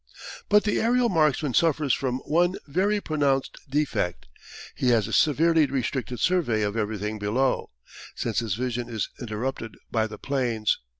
But the aerial marksman suffers from one very pronounced defect: he has a severely restricted survey of everything below, since his vision is interrupted by the planes.